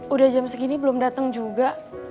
udah jam segini belum datang juga